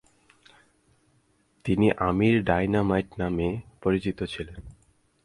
তিনি "আমির ডায়নামাইট" নামে পরিচিত ছিলেন।